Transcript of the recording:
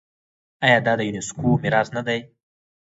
آیا دا د یونیسکو میراث نه دی؟